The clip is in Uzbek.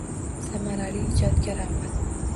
Samarali ijodga rag‘bat